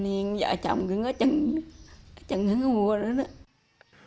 vậy nên vợ chồng cứ ngói chân ngói chân ngói mùa nữa đó